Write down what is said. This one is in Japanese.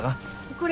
これ。